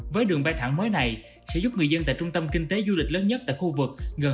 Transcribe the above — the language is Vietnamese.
với đường bay thẳng mới này sẽ giúp người dân tại trung tâm kinh tế du lịch lớn nhất tại khu vực gần